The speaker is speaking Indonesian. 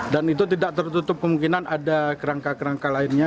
dan itu tidak tertutup kemungkinan ada kerangka kerangka lainnya